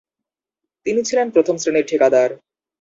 তিনি ছিলে প্রথম শ্রেণীর ঠিকাদার।